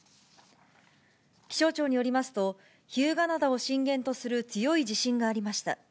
気象庁によりますと、日向灘を震源とする強い地震がありました。